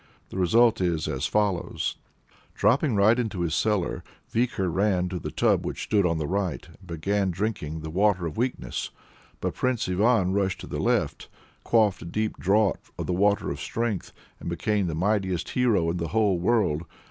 The result is as follows: Dropping right into his cellar, Vikhor ran to the tub which stood on the right, and began drinking the Water of Weakness. But Prince Ivan rushed to the left, quaffed a deep draught of the Water of Strength, and became the mightiest hero in the whole world.